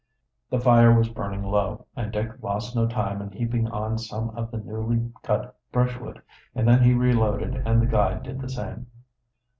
The fire was burning low, and Dick lost no time in heaping on some of the newly cut brushwood, and then he reloaded and the guide did the same.